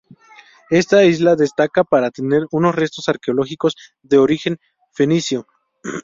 Esta isla destaca para tener unos restos arqueológicos de origen fenicio.